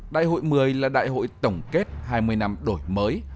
đại hội một mươi là đại hội tổng kết hai mươi năm đổi mới